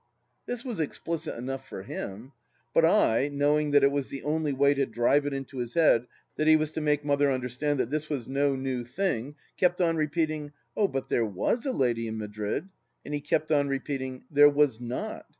This was explicit enough for him. But I, knowing that it was the only way to drive it into his head that he was to make Mother understand that this was no new thing, kept on repeating :" Oh, but there was a lady in Madrid." ... And he kept on repeating : "There was not."